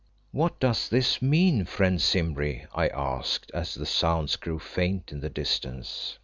"What does this mean, friend Simbri?" I asked, as the sounds grew faint in the distance.